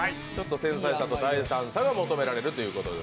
繊細さと大胆さが求められるということで。